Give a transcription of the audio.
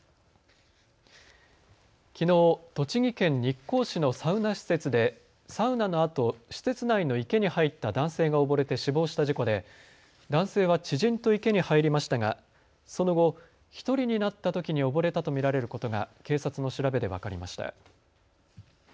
きのう栃木県日光市のサウナ施設でサウナのあと施設内の池に入った男性が溺れて死亡した事故で、男性は知人と池に入りましたがその後、１人になったときに溺れたと見られることが警察の調べで分かりました。